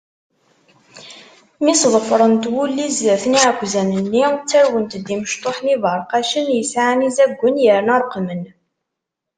Mi sḍefrent wulli zdat n iɛekkzan-nni, ttarwent-d imecṭuḥen iberqacen, yesɛan izaggen, yerna reqmen.